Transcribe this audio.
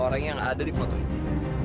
orang yang ada di foto itu